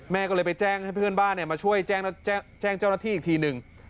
แม่ก็เลยไปแจ้งให้เพื่อนบ้านมาช่วยแจ้งเจ้าหน้าที่อีกทีหนึ่ง